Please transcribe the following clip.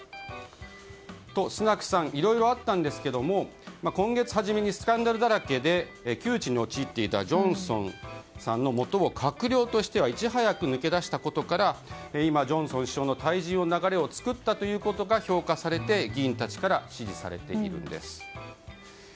スナクさんいろいろあったんですが今月初めにスキャンダルだらけで窮地に陥っていたジョンソンさんのもとを閣僚としてはいち早く抜け出したことから今、ジョンソン首相の退陣の流れを作ったということが評価されて議員たちから支持されているんです。